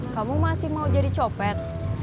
kamu masih mau jadi copet